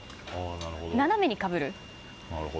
斜めにかぶる？